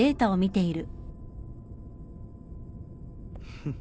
フッ。